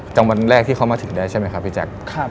จำวันแรกที่เขามาถึงได้ใช่ไหมครับพี่แจ๊ค